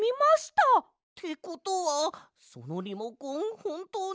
ってことはそのリモコンほんとうに。